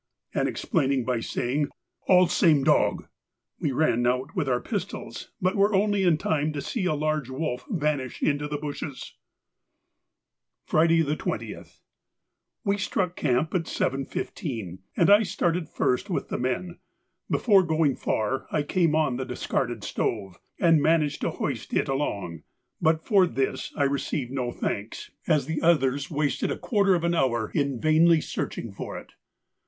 and explained by saying, 'All same dog.' We ran out with our pistols, but were only in time to see a large wolf vanish into the bushes. Friday, the 20th.—We struck camp at 7.15, and I started first with the men. Before going far I came on the discarded stove, and managed to hoist it along; but for this I received no thanks, as the others wasted a quarter of an hour in vainly searching for it.